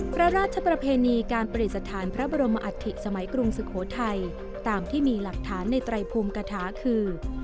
พระราชประเพณีการประดิษฐานพระบรมอัฐิสมัยกรุงสุโขทัยตามที่มีหลักฐานในไตรภูมิกฐาคือ